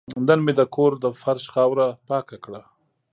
نن مې د کور د فرش خاوره پاکه کړه.